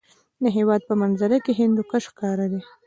د هېواد په منظره کې هندوکش ښکاره دی.